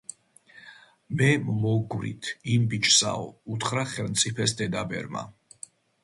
მე მოგგვრით იმ ბიჭსაო, - უთხრა ხელმწიფეს დედაბერმა.